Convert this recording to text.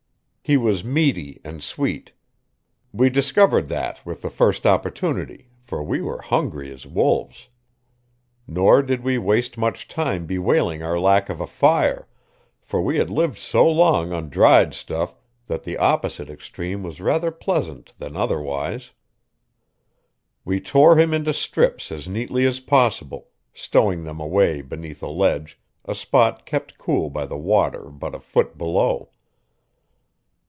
He was meaty and sweet. We discovered that with the first opportunity, for we were hungry as wolves. Nor did we waste much time bewailing our lack of a fire, for we had lived so long on dried stuff that the opposite extreme was rather pleasant than otherwise. We tore him into strips as neatly as possible, stowing them away beneath a ledge, a spot kept cool by the water but a foot below.